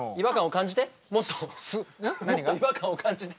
もっと違和感を感じて。